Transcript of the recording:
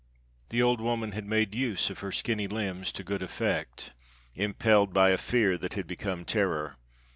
The old woman had made use of her skinny limbs to good effect, impelled by a fear that had become terror.